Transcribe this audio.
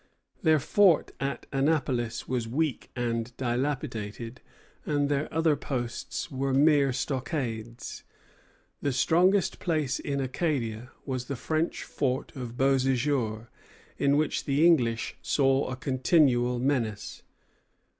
Their fort at Annapolis was weak and dilapidated, and their other posts were mere stockades. The strongest place in Acadia was the French fort of Beauséjour, in which the English saw a continual menace.